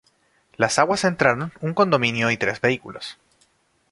Las aguas entraron un condominio y tres vehículos.